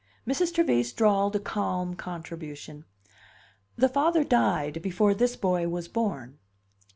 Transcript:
Mrs. Trevise drawled a calm contribution. "The father died before this boy was born."